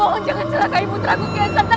aku mohon jangan celaka imut ragu kiasan